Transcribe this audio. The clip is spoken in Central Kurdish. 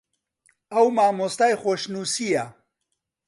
ئەو مامۆستای خۆشنووسییە